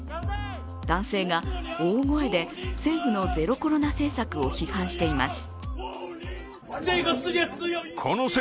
男性が大声で政府のゼロコロナ政策を批判しています。